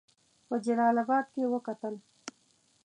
په جلا آباد کې وکتل.